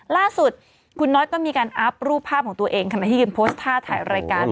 ล่าสุดคุณน็อตก็มีการอัพรูปภาพของตัวเองขณะที่ยืนโพสต์ท่าถ่ายรายการ